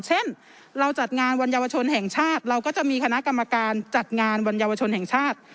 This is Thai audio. เช่นเราจัดงานวันเยาวชนแห่งชาติเราก็จะมีคณะกรรมการจัดงานวันเยาวชนแห่งชาติ